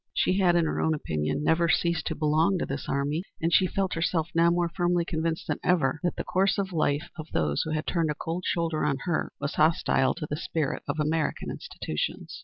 She had, in her own opinion, never ceased to belong to this army, and she felt herself now more firmly convinced than ever that the course of life of those who had turned a cold shoulder on her was hostile to the spirit of American institutions.